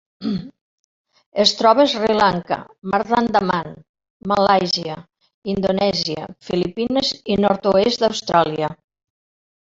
Es troba a Sri Lanka, Mar d'Andaman, Malàisia, Indonèsia, Filipines i nord-oest d'Austràlia.